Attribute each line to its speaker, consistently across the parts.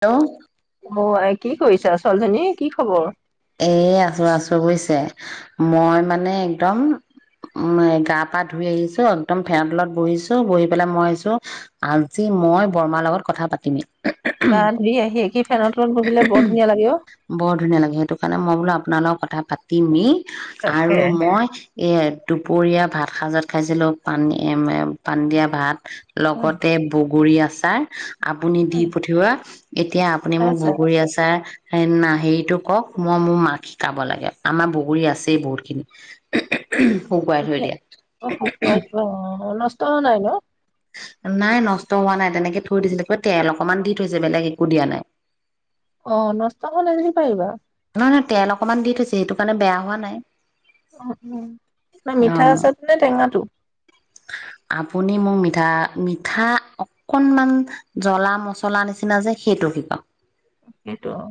Speaker 1: Hello?
Speaker 2: অ' আই কি? কি কৰিছা। ছোৱালজনী কি খবৰ?
Speaker 1: এ আছো আছো বুজিছে, মই মানে একদম উম গা পা ধুই আহিছো, একদম ফেনৰ তলত বহিছো, বহি পেলাই মই আহিছো আজি মই বৰমাৰ লগত কথা পাতিমেই।
Speaker 2: গা ধুই আহিয়ে কি ফেনৰ তলত বহিলে বৰ ধুনীয়া লাগে অ'
Speaker 1: বৰ ধুনীয়া লাগে সেইটো কাৰণে মই বোলো আপোনাৰ লগৰ কথা পাতিমেই
Speaker 2: তাকে
Speaker 1: আৰু মই এই দুপৰীয়া ভাত সাজত খাইছিলোঁ পানী পানী দিয়া ভাত লগতে বুক বগুৰি আচাৰ আপুনি দি পঠিওৱা এতিয়া আপুনি মোক
Speaker 2: আছা
Speaker 1: বগৰী আচাৰ- এ না হে'ৰিটো কওক। মই মোৰ মাক শিকাব লাগে। আমাৰ বগৰী আছেই বহুত খিনি।
Speaker 2: এতিয়া অ' শুকুৱাই থোৱা অ' নষ্ট তয়ো নাই ন?
Speaker 1: নাই নষ্ট হোৱা নাই, তেনেকে থৈ দিছিলে, তেল অকমান দি থৈছে, বেলেগ একো দিয়া নাই।
Speaker 2: অ নষ্ট হোৱা যদি পাৰিব।
Speaker 1: নহয় তেল অকনমান দি থৈছে সেইটো কাৰণে বেয়া হোৱা নাই।
Speaker 2: উম উম' ন
Speaker 1: অ
Speaker 2: মিঠা আছাৰ নে টেঙাটো?
Speaker 1: আপুনি মোক মিঠা মিঠা অকনমান জ্বলা মছলা নিচিনা যে সেইটো শিকাওক।
Speaker 2: সেইটো অ'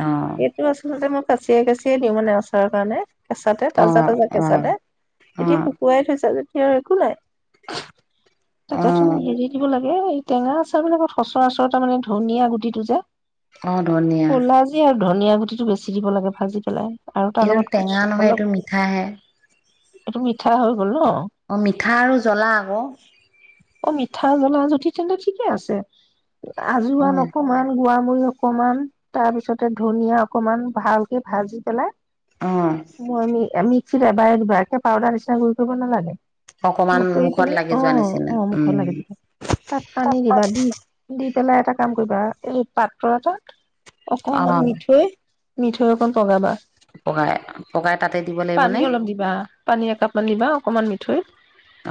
Speaker 1: অ
Speaker 2: সেইটো আচলতে মই কাচিয়ে কাচিয়ে দিওঁ মানে ওচৰৰ কাৰণে। কেঁচাতে
Speaker 1: অ
Speaker 2: তাজা তাজা
Speaker 1: অ
Speaker 2: কেঁচাতে
Speaker 1: অ
Speaker 2: এতিয়া শুকুৱাই থৈছে যে সেয়াৰ একো নাই
Speaker 1: অ
Speaker 2: তাতে তুমি এৰি দিব লাগে এই টেঙা আচাৰৰ লগত সচৰাসচৰ তাৰ মানে ধনীয়া গুটিটো যে
Speaker 1: অ ধনিয়া
Speaker 2: ক'লা যি আৰু ধনিয়া গুটি টো বেছি দিব লাগে ভাজি পেলাই আৰু তাৰ
Speaker 1: এইটো
Speaker 2: লগত
Speaker 1: টেঙা নহয়
Speaker 2: অলপ
Speaker 1: এইটো মিঠাহে
Speaker 2: এইটো মিঠা হল বলো [unintelligible]
Speaker 1: পিঠা আৰু জ্বলা আকৌ
Speaker 2: অ মিঠা আৰু জ্বলা জুতি তেন্তে ঠিকে আছে
Speaker 1: অ
Speaker 2: আজোৱান অকমান গোৱাম মুই অকমান, তাৰ পিছতে ধুনীয়া অকমান ভালকে ভাজি পেলাই
Speaker 1: অ
Speaker 2: অ আমি আমি [unintelligible] এবাৰে দিবা একে পাউদাৰ নিছিনা গুৰি কৰিব নেলাগে
Speaker 1: অকমান মুখত লাগি যোৱা নিচিনা উম
Speaker 2: তাক আনি দিবা দি দি পেলাই এটা কাম কৰিবা এই পাত্ৰ এটাত
Speaker 1: অ
Speaker 2: অকমান মিঠৈ মিঠৈ অকণ পগাবা
Speaker 1: পগাই পগাই তাতে দিব
Speaker 2: পানী
Speaker 1: লাগিবনে
Speaker 2: অলপ দিবা পানী একাপ মান দিবা অকমান মিঠৈত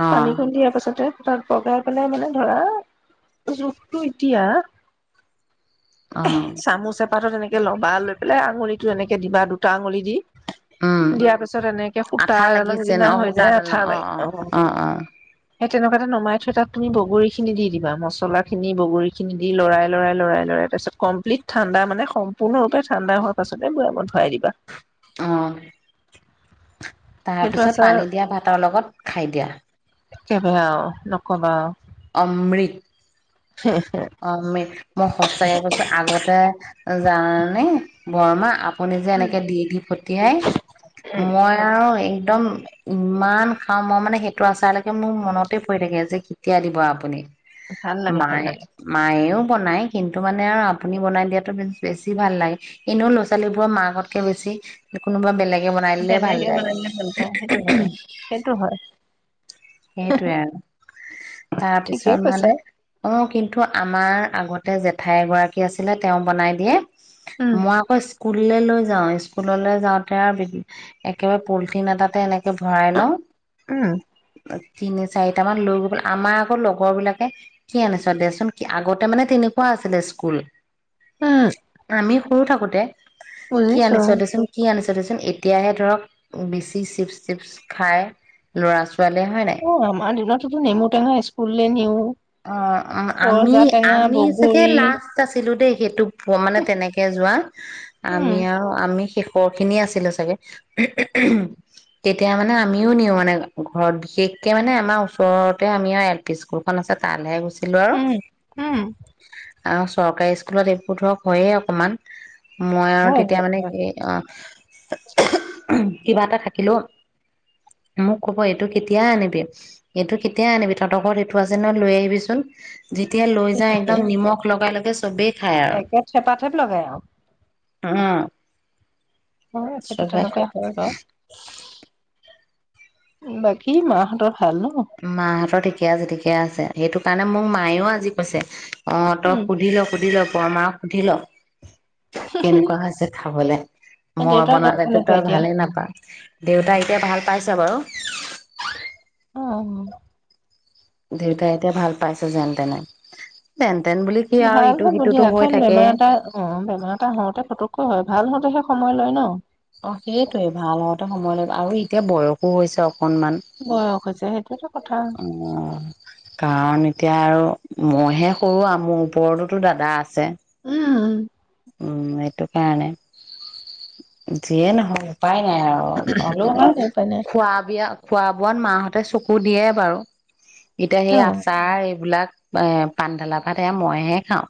Speaker 1: অ
Speaker 2: পানীখন দিয়াৰ পাছতে তাত পগাই পেলাই মানে ধৰা, যোখটো এতিয়া
Speaker 1: অ
Speaker 2: চামুচ এপাতত এনেকে ল'বা, লৈ পেলাই আঙুলিটো এনেকে দিবা দুটা আঙুলি দি
Speaker 1: উম
Speaker 2: দিয়াৰ পিছত এনেকে সূতা
Speaker 1: আঠা
Speaker 2: এডালৰ
Speaker 1: লাগিছে ন
Speaker 2: নিচিনা
Speaker 1: অ
Speaker 2: হৈ যায়
Speaker 1: সূতাডাল
Speaker 2: আঠা
Speaker 1: অ
Speaker 2: লাগে
Speaker 1: অ অ অ
Speaker 2: [inaudible] একেলগ তে নমাই থৈ তাত তুমি বগৰীখিনি দি দিবা মছলাখিনি বগৰীখিনি দি দিবা মছলাখিনি বগৰীখিনি লৰাই লৰাই লৰাই তাৰপছত কমপ্লিট ঠাণ্ডা মানে সম্পূৰ্ণৰূপে ঠাণ্ডা হোৱাৰ পাছতহে বোয়ামত ভৰাই দিবা
Speaker 1: তাৰ
Speaker 2: সেইটো
Speaker 1: পিছত
Speaker 2: আচাৰ
Speaker 1: পানী দিয়া ভাতৰ লগত খাই দিয়া
Speaker 2: একেবায়ে আও নকবা আও
Speaker 1: অমৃত অমৃত মই সঁচাকে কৈছো আগতে জানানে বৰমা আপ আপুনি যে
Speaker 2: উম
Speaker 1: এনেকে দি দি ফটিয়াই
Speaker 2: উম
Speaker 1: মই আৰু এই একদম ইমান খাওঁ মই মানে সেইটো আচাৰৈকে মোৰ মনতে পৰি থাকে যে কেতিয়া দিব আপুনি
Speaker 2: ভাল লাগে ভাল
Speaker 1: মায়ে
Speaker 2: লাগে
Speaker 1: মায়েও বনাই কিন্তু মানে আৰু আপুনি বনাই দিয়াতো বেছি ভাল লাগে এনেও ল'ৰা ছোৱালীবোৰৰ মাকতকে বেছি কোনোবা বেলেগ কে বনাই দিলে ভাল
Speaker 2: বেলেগে
Speaker 1: লাগে
Speaker 2: বনাই দিলে ভাল পায় সেইটো হয় সেইটো হয়
Speaker 1: সেইটোয়ে আৰু
Speaker 2: ঠিকেই
Speaker 1: তাৰপিছত
Speaker 2: কৈছা
Speaker 1: মানে অ আমাৰ আগতে জেঠাই এগৰাকী আছিলে তেওঁ বনাই দিয়ে
Speaker 2: উম
Speaker 1: মই আকৌ স্কুললৈ লৈ যাওঁ স্কুললৈ যাওঁতে আৰু একেবাৰে পলিথিন এটাতে এনেক ভৰাই ল অ'হ
Speaker 2: উম
Speaker 1: তিনি চাৰিটা মান লৈ গৈ পেল আমাৰ আকৌ লগৰ বিলাকে কি আনিছে দেচোন কি আগতে মানে তেনেকুৱা আছিলে স্কুল
Speaker 2: উম
Speaker 1: আমি সৰু থাকোতে কি
Speaker 2: বুজিছো
Speaker 1: আনিছ দেচোন কি আনিছ এতিয়াহে বেছি ছিফটিফ খায় ল'ৰা ছো
Speaker 2: অ', আমাৰ দিনত তো নেমুতটেঙা স্কুললে নিওঁ
Speaker 1: অ অ আমি আমি চাগে
Speaker 2: বগৰী
Speaker 1: লাষ্ট আছিলো দেই এটুপ মই মানে তেনেকে যোৱা
Speaker 2: উম
Speaker 1: আমি আৰু আমি শেষ খহ খিনিই আছিলে চাগে তেতিয়া মানে আমিও নিওঁ মানে ঘৰত বিশেষকে মানে আমাৰ ওচৰতে আমি আৰু এল পি স্কুলখন আছে তালে গোছে
Speaker 2: উহ উহ
Speaker 1: আৰু চৰকাৰী স্কুলত এইবোৰ ধৰক হয়ে অকমান মই আৰু
Speaker 2: হয়
Speaker 1: তেতিয়া
Speaker 2: হয়
Speaker 1: মানে
Speaker 2: হয়
Speaker 1: কি অ কিবা এটা থাকিলো মোক কব এইটো কেতিয়া আনিবি এইটো কেতিয়া আনিবি তহঁতৰ ঘৰত এইটো আছে নে লৈ আহিবিচোন যেতিয়া লৈ যা একদম নিমখ লগাই লগাই চ বে
Speaker 2: একে থেপা থেপ লগাই আৰু
Speaker 1: উম
Speaker 2: হয় সেইটো
Speaker 1: চবে
Speaker 2: তেনেকুৱাই হয় বাও বাকী মাহঁতৰ ভাল ন
Speaker 1: মা হতৰ তেতিয়া যে দে ঠিকে আছে সেইটো কাৰণে মোক মায়েও আজি কৈছে অ', তই
Speaker 2: উম
Speaker 1: সুধি ল, সুধি ল বৰ মাৰক সুধি ল। কেনেকুৱা হৈছে খাবলে? মই
Speaker 2: দেউতাৰ গা
Speaker 1: বনালেতো
Speaker 2: কেনেকুৱা
Speaker 1: তই
Speaker 2: এতিয়া
Speaker 1: ভালেই নাপাৱ। দেউতাই এতিয়া ভাল পাইছে বাৰু
Speaker 2: অ'
Speaker 1: দেউতাই এতিয়া ভাল পাইছে যেনতেনে। তেন বুলি কি আৰু
Speaker 2: ভাল
Speaker 1: ইটো
Speaker 2: হ'ব দিয়া,
Speaker 1: সিটোতো হৈ
Speaker 2: কাৰণ
Speaker 1: থাকে
Speaker 2: বেমাৰ এটা, অ' বেমাৰ এটা হওঁতে ফটো ক হয়, ভাল হওঁতেহে সময় লয় ন?
Speaker 1: অ' সেইটোৱেই, ভাল হওঁতে সময়লৈ আৰু এতিয়া বয়সো হৈছে অক
Speaker 2: বয়স হৈছে, সেইটো এটা কথা
Speaker 1: অ', কাৰণ এতিয়া এতিয়া আৰু মইহে সৰু আৰু, মোৰ ওপৰততো দাদা আছে।
Speaker 2: উম উম
Speaker 1: উম এইটো কাৰণে, যিয়ে নহক উপাই নাই আৰু, অলপমান
Speaker 2: উপায় নাই উপায় নাই
Speaker 1: খোৱা বিয়া খোৱা বোৱাত মা হ'তে চকু দিয়ে বাৰু। এতিয়া হেই
Speaker 2: অ
Speaker 1: আচাৰ, এইবিলাক এ' পানীডালা ভাত এয়া মইহে খাওঁ,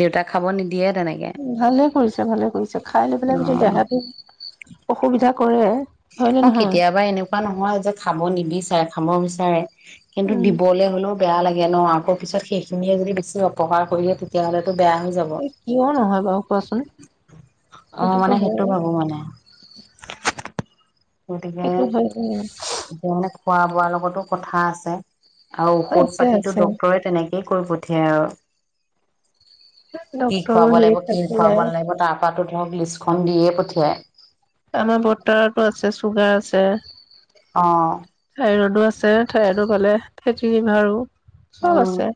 Speaker 1: দেউতাক খাব নিদিয়ে তেনেকে
Speaker 2: ভালে কৰিছে ভালে কৰিছে, খাই লৈ পেলাই যদি
Speaker 1: অ
Speaker 2: দেহটো অসুবিধা কৰে হয়নে
Speaker 1: অ'
Speaker 2: নহয়
Speaker 1: কেতিয়াবা এনেকুৱা নহয় যে খাব নিবিচাৰে। খাব বিচাৰে কিন্তু
Speaker 2: উম।
Speaker 1: দিবলৈ হ'লেও বেয়া লাগে। লে ন আকৌ পিছত সেইখিনিয়ে যদি বেছি অপহাৰ কৰি তেতিয়াহ'লে বেয়া হৈ যাব,
Speaker 2: এই কিয় নহয় বাৰু কোৱাচোন
Speaker 1: অ'
Speaker 2: সেইটোতো
Speaker 1: মানে সেইটো
Speaker 2: হয়
Speaker 1: ভাবো। মানে গতিকে,
Speaker 2: সেইটো হয় উম
Speaker 1: এতিয়া খোৱা বোৱা লগতো কথা আছে। আও ঔষধ
Speaker 2: আছে
Speaker 1: পাতিটো
Speaker 2: আছে
Speaker 1: ডক্টৰে তেনে এই কৰি পঠিয়ায় আৰু কি
Speaker 2: ডক্তৰো
Speaker 1: খুৱাব
Speaker 2: হেৰি
Speaker 1: লাগিব, কি
Speaker 2: থাকিলে
Speaker 1: খুৱাব নালাগিব তাৰ তাতো তেওঁক লিষ্টখন দিয়ে পঠিয়াই।
Speaker 2: আমাৰ বৰদেউতাৰতো আছে, চুগাৰ আছে।
Speaker 1: অ'
Speaker 2: থাইৰদো আছে, থাইৰদো গালে। ফেতিলিভাৰো চব
Speaker 1: উম
Speaker 2: আছে।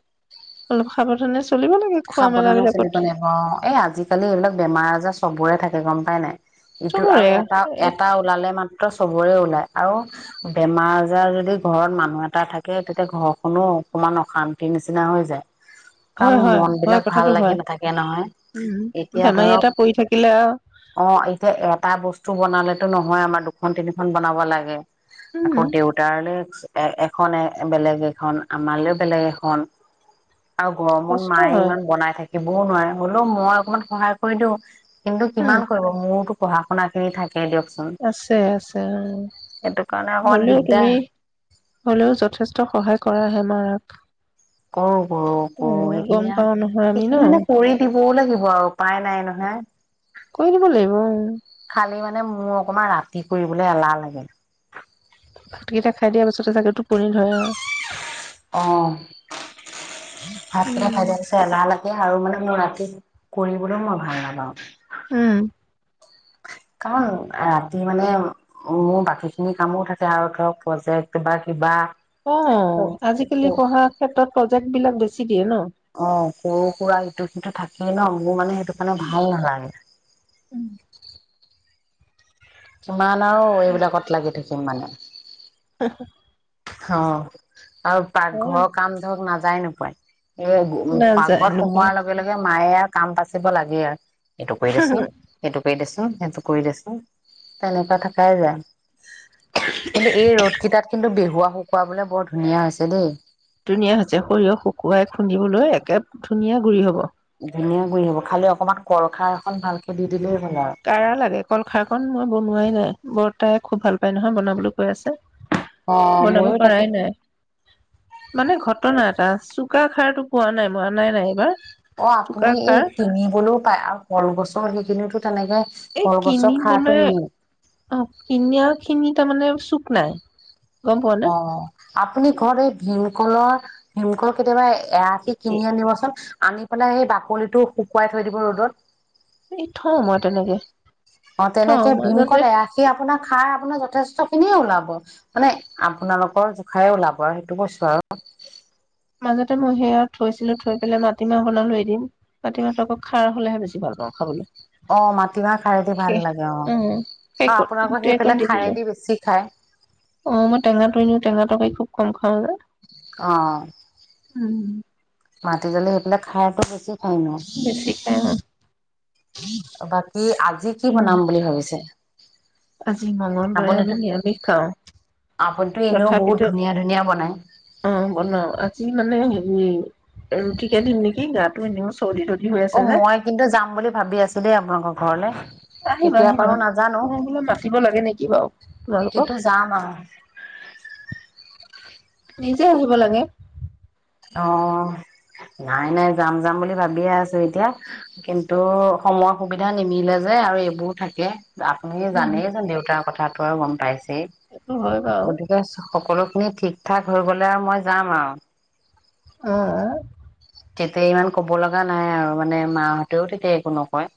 Speaker 2: অলপ সাৱধানে চ
Speaker 1: সাৱধানে চলিব লাগিব। অ', এ আজিকালি এইবিলাক বেমাৰ-আজাৰ চবৰে থাকে। সেই গম পাই নাই ইটো
Speaker 2: চবৰে
Speaker 1: আৰু এটা-এটা ওলালে মান চবৰে ওলাই আৰু বেমাৰ-আজাৰ যদি ঘৰত মানুহ এটাৰ থাকে। তেতিয়া ঘৰখনো অকমান অশান্তিৰ নিচিনা হৈ যায়। কাৰণ
Speaker 2: হয় হয়।
Speaker 1: মন
Speaker 2: হয়
Speaker 1: বিলাক ভাল
Speaker 2: কথাটো
Speaker 1: লাগি
Speaker 2: হয়
Speaker 1: নাথাকে নহয়।
Speaker 2: উম
Speaker 1: এতিয়া
Speaker 2: বেমাৰী
Speaker 1: ধৰক
Speaker 2: এটা পৰি থাকিলে আৰু
Speaker 1: অ', এতিয়া এটা বস্তু বনালে এনেটো নহয় আমাৰ দুখন, তিনিখন বনাব লাগে। আকৌ
Speaker 2: উম
Speaker 1: দেউতাৰোলে এক্স এ এখননে বেলেগ এখন, আমালে বেলেগ এখন আৰু গৰমত
Speaker 2: কষ্ট
Speaker 1: মায়ে
Speaker 2: হয়
Speaker 1: ইমান থাকিবও নোৱাৰে। হলেও, মই অকমান সহায় কৰি দিওঁ। কিন্তু
Speaker 2: উম
Speaker 1: কিমান কৰিব। মোৰতো পঢ়া-শুনাখিনি থাক
Speaker 2: আছে আছে অ,
Speaker 1: সেইটো কাৰণে অকমান
Speaker 2: হলেও তুমি
Speaker 1: দিগদাৰ
Speaker 2: হলেও যথেষ্ট সহায় কৰা। হেন মাৰাক।
Speaker 1: কৰু। ঘৰৰ
Speaker 2: উম
Speaker 1: কৰোঁও
Speaker 2: গম
Speaker 1: খিনি আ।
Speaker 2: পাও নহয় আমি ন
Speaker 1: সেইখিনি মানে কৰি দিবও লাগিব আৰু উপায় নাই নহয়।
Speaker 2: কৰি দিব লাগিব উম
Speaker 1: খালি মা মানে মোৰ অকমান ৰাতি কৰিবলৈ এলাহ লাগে।
Speaker 2: ভাতকেইটা খাই দিয়া পাছ ততে চাগে টোপনি ধৰে আৰু
Speaker 1: অ', ভাত কিতা
Speaker 2: উম
Speaker 1: পাছত এলাহ লাগে আৰু মানে ম‌ই ৰাতি কৰিবলৈও, মই ভাল নাপাও।
Speaker 2: উম
Speaker 1: [unintelligible] কাৰণ অ, ৰাতি মানে উ, মোৰ বাকীখিনি কামো থাকে আৰু ধৰক প্ৰজেক্ট বা কিবা কিবা
Speaker 2: অ', আজিকালি পঢ়াৰ ক্ষেত্ৰত প্ৰ জেক্ট বিলাক বেছি দিয়ে ন
Speaker 1: অ', সৰু-সুৰা ইটো সিটো কিন্তু থাক সেই ন', মোৰ মানে সেইটো কাৰণে ভাল নালাগে। কিমান আৰু এইবিলাকত লাগি থাকিম মানে।
Speaker 2: হহ।
Speaker 1: অহ্। আৰু পাকঘৰৰ কাম ধৰক নাজ যাই নোপোয়াই। এ
Speaker 2: নাযায়
Speaker 1: পাকঘৰত
Speaker 2: নোপায়
Speaker 1: সোমোৱাৰ লগে লগে মায়ে আৰু কাম যাচিব লাগেই আৰু। এইটো কৰি দিছোন সেইটো। কৰি দেছোন সেইটো কৰি দেছোন তেনেকুৱা থাকাই যায়। কিন্তু এই ৰ'দ কেইটাত কিন্তু [unintelligible] শুকুৱাবলে বৰ ধুনীয়া হৈছে দেই।
Speaker 2: ধুনীয়া হৈছে সৰিয়হ শুকুৱাই খুন্দিবলৈ, একে ধুনীয়া গুৰি হ'ব।
Speaker 1: ধুনীয়া গুৰি হ'ব খালি অকণমান কল খাৰ অকণ ভালকে দি দিলেই হ'ল আৰু
Speaker 2: কাৰা লাগে কলখাৰ কন মই বনোৱাই নাই। বৰ্তাই খুব ভাল পায় নহয় বনাবলৈ কৈ আছে।
Speaker 1: অ
Speaker 2: বনাব
Speaker 1: ময়ো তাকে
Speaker 2: পৰাই নাই মানে ঘটনা এটা চুকা খাৰতটো পোৱা নাই মই অনাই নাই এইবাৰ।
Speaker 1: অ
Speaker 2: চুকা
Speaker 1: আপুনি এই
Speaker 2: খাৰ
Speaker 1: কিনিবলৈও পায় আৰু কলগছৰ সেইখিনিওটো
Speaker 2: এই কিনিবলৈ অ কিনি খিনি তাৰমানে চোক নাই। গম
Speaker 1: অ
Speaker 2: পোৱানে?
Speaker 1: আপুনি ঘৰত এই ভীমকলৰ ভীমকল কেতিয়াবা এয়াশি কিনি আনিবচোন। আনি পেলাই সেই বাকলিটো শুকুৱাই থৈ দিব ৰ'দত।
Speaker 2: এই থও মই তেনেকে।
Speaker 1: অ
Speaker 2: থওঁ
Speaker 1: তেনেকে
Speaker 2: মাজতে
Speaker 1: ভীমকল এয়াশি আপোনাৰ খাৰ আপোনাৰ যথেষ্ট খিনিয়ে ওলাব মানে আপোনালোকৰ জোখাৰে ওলাব আৰু সেইটো কৈছো আৰু।
Speaker 2: মাজতে মই সেয়া থৈছিলো থৈ পেলাই মাটিমাহ বনালো এদিন মাটিমাহটো আকৌ খাৰ হ'লেহে বেছি ভাল পাওঁ খাবলে।
Speaker 1: অ মাটিমাহ খাৰেদি ভাল লাগে অ
Speaker 2: উম
Speaker 1: আৰু
Speaker 2: শেষত
Speaker 1: আপোনালোকৰ
Speaker 2: গোটেই অকণ
Speaker 1: সেইফালে
Speaker 2: দি দিলো
Speaker 1: খাৰেদি বেছি খায়।
Speaker 2: অ মই টেঙাটো এনেও টেঙা তৰকাৰী খুব কম খাওঁ। যে
Speaker 1: অ
Speaker 2: উম
Speaker 1: মাটি জালী সেইফালে খাৰটো বেছি। হয়
Speaker 2: বেছি খাই
Speaker 1: ন বাকী আজি কি
Speaker 2: উম
Speaker 1: বনাম বুলি ভাবিছে?
Speaker 2: আজি মঙ্গলবাৰে
Speaker 1: আপুনিতো
Speaker 2: আমি নিৰামিষ খাওঁ।
Speaker 1: আপুনিতো এনেও বহুত
Speaker 2: তথাপিতো
Speaker 1: ধুনীয়া ধুনীয়া বনাই।
Speaker 2: অ বনাও আজি মানে হেৰি। ৰুটিকে দিম নেকি গাটো এনেও চৰ্দি তৰ্দি হৈ
Speaker 1: অ
Speaker 2: আছে যে
Speaker 1: মই কিন্তু যাম বুলি ভাবি আছো দেই আ আপোনোকৰ ঘৰলে।
Speaker 2: আহিবা
Speaker 1: কেতিয়া
Speaker 2: আহিবা
Speaker 1: পাৰো নাজানো
Speaker 2: মই বোলো মাতিব লাগে নেকি বাৰু তোমালোকক।
Speaker 1: কিন্তু যাম আৰু।
Speaker 2: নিজে আহিব লাগে।
Speaker 1: অ', নাই, নাই। যাম, যাম বুলি ভাবিয়েই আছোঁ এতিয়া, কিন্তু সময় সুবিধা নিমিলে যে, আৰু এইবোৰ থাকে। আপুনি
Speaker 2: উম
Speaker 1: জানেইচোন, দেউতাৰ কথাত থোৱাও গম পাইছ
Speaker 2: সেইটো
Speaker 1: [unintelligible]
Speaker 2: হয় বাৰু
Speaker 1: গতিকে চহ সকলোখিনি ঠিক-ঠাক হৈ গ'লে, আৰু মই যাম, আৰু
Speaker 2: অ'আ।
Speaker 1: তেতিয়া ইমান ক'ব লগা নাই আৰু, মানে, মাহঁতেও তেতিয়া একো নকয়।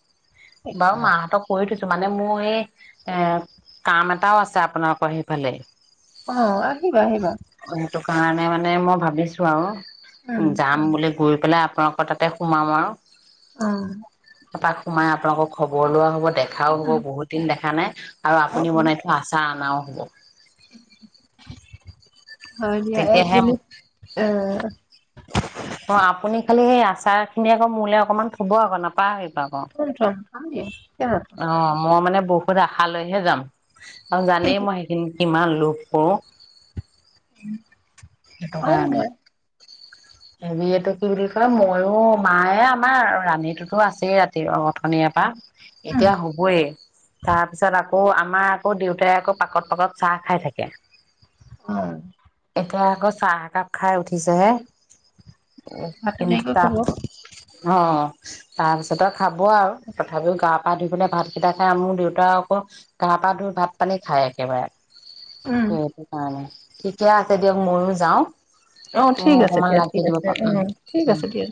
Speaker 1: বাৰু, মাহঁতক কৈয়েই থৈছ ত', মানে, মোৰ এই, এ, কাম এটাও আছে আপোনালোকৰ সেইফালে
Speaker 2: অ', আহিবা, আহিবা।
Speaker 1: টো কাৰণে মানে, মই ভাবিছোঁ, আৰু উম, যাম বুলি। গৈ পেলাই, আপোনালোকৰ তাতে সোমাম, আৰু
Speaker 2: অ'।
Speaker 1: এপাক সোমাই, আপোনালোকৰ খবৰ লোৱাও হ'ব। দেখাও হ'ব, বহুত দিন দেখা নাই। আৰু
Speaker 2: অ
Speaker 1: আপুনি বনাই থোৱা আচাৰ আনাওহ। [inaudible]
Speaker 2: হয় দিয়া। এক
Speaker 1: তেতিয়াহে
Speaker 2: মিনিট, অ',
Speaker 1: অ', আপুনি খালী সেই আচাৰখিনি আকৌ মোলে অকণমান থ'ব আকৌ, নাপাহৰিব। অ'-অ'।
Speaker 2: থম থম থম দিয়া কিয়
Speaker 1: অ', মই মানে বহুত আশা লৈহে যাম। আৰু জানেই, মই সেইখিনি কিমান লোভ কৰোঁ। হেটো
Speaker 2: থম
Speaker 1: কাৰণে
Speaker 2: মই
Speaker 1: হেৰি, এইটো কি বুলি কয়? ময়ো, মায়ে, আমাৰ ৰাণীটোতো আছেই, ৰাতি অথনিৰে পৰা
Speaker 2: উম
Speaker 1: এতিয়া হ'বয়েই, তাৰ পিছত আক কৌ আমাৰ, আকৌ, দেউতাই আকৌ পাকত-পাকত চাহ খাই থাকে।
Speaker 2: হয়।
Speaker 1: এতিয়া আকৌ চাহ একাপ খাই উঠিছেহে। উম,
Speaker 2: ভাতটো
Speaker 1: কিন্তু
Speaker 2: দেৰিকৈ খাব
Speaker 1: তাক [unintelligible] অ', তাৰ পিছত আৰু খাব আৰু তথাপিও গা-পা ধুই পেলাই ভাতকেইটা খাই, মোৰ দেউতা আকৌ গা-পা ধুই, ভাত-পানী খাই, একেবাৰে।
Speaker 2: উম
Speaker 1: সেইটো কাৰণে ঠিকে আছে, দিয়ক, মইও যাওঁ।
Speaker 2: অ', ঠিক আছে।
Speaker 1: অকমান
Speaker 2: দিয়া
Speaker 1: লাগি
Speaker 2: ঠিক
Speaker 1: দিব
Speaker 2: আছে। উ, ঠিক
Speaker 1: পাৰো
Speaker 2: আছে দিয়া।